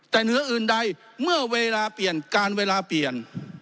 แต่เหนืออื่นใดเมื่อเวลาเปลี่ยนการเวลาเปลี่ยน